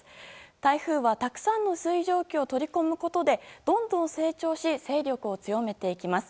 台風は、たくさんの水蒸気を取り込むことで、どんどん成長し勢力を強めていきます。